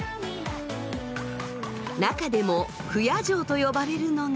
中でも不夜城と呼ばれるのが。